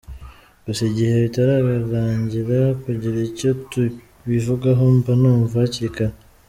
Gusa igihe bitararangira kugira icyo tubivugaho mba numva hakiri kare.